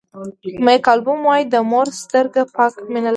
مېک البوم وایي د مور سترګې پاکه مینه لري.